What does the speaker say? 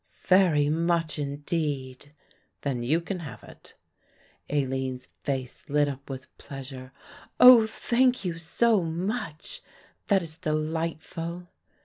"Very much indeed." "Then you can have it." Aline's face lit up with pleasure. "Oh, thank you so much, that is delightful."